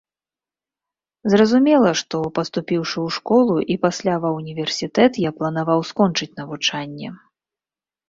Зразумела, што, паступіўшы ў школу і пасля ва ўніверсітэт, я планаваў скончыць навучанне.